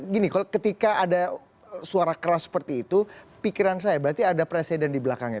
gini kalau ketika ada suara keras seperti itu pikiran saya berarti ada presiden di belakangnya